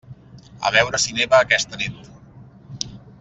A veure si neva aquesta nit.